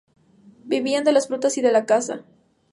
Vivían de las frutas y de la caza.